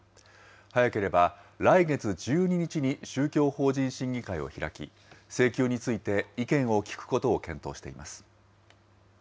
早ければ来月１２日に宗教法人審議会を開き、請求について意見を聴くことを検討しています。